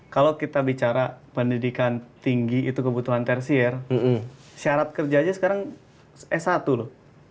kalau kita bicara pendidikan tinggi itu kebutuhan tersier syarat kerjanya sekarang s satu loh